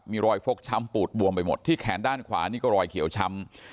มีรอยฟกช้ำปูดบวมไปหมดที่แขนด้านขวานี่ก็รอยเขียวช้ำ